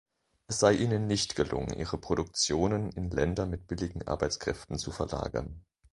Es sei ihnen nicht gelungen, ihre Produktionen in Länder mit billigen Arbeitskräften zu verlagern.